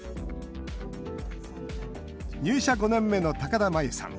入社５年目の高田真由さん。